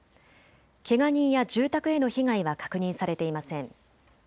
けが人や住宅への被害は確認されていません。